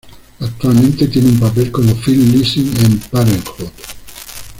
Actualmente tiene un papel como Phil Lessing en "Parenthood".